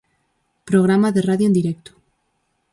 Programa de radio en directo.